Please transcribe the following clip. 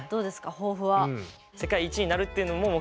抱負は。